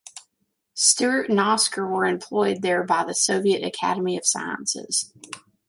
Stuart and Oscar were employed there by the Soviet Academy of Sciences.